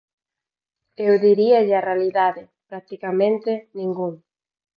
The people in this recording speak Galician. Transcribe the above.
Eu diríalle a realidade: practicamente ningún.